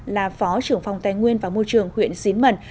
là phó trưởng phòng tài nguyên và môi trường huyện xín mần